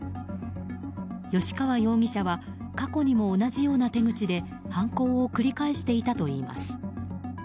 吉川容疑者は過去にも同じような手口で犯行を繰り返していたといいます。